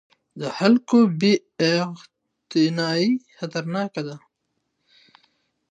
د خلکو بې اعتنايي خطرناکه ده